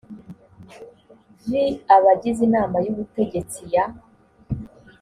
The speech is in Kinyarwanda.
vi abagize inama y ubutegetsi ya